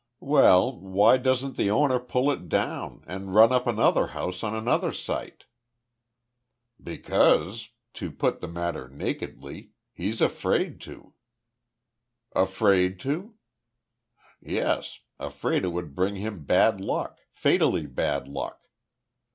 "Well, why doesn't the owner pull it down, and run up another house on another site?" "Because to put the matter nakedly he's afraid to." "Afraid to?" "Yes. Afraid it would bring him bad luck fatally bad luck.